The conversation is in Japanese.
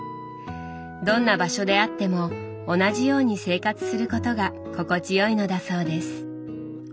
どんな場所であっても同じように生活することが心地よいのだそうです。